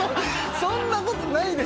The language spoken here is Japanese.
そんなことないですって